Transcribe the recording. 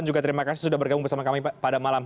dan juga terima kasih sudah bergabung bersama kami pada malam